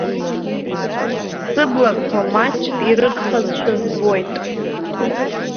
Сыблақәа маҷк ирыгхазшәа збоит.